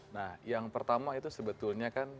nah yang pertama itu sebetulnya kan